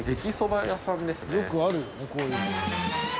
よくあるよねこういうの。